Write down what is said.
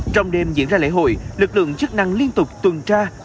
trong đêm diễn ra lễ hội lực lượng chức năng liên tục tuần tra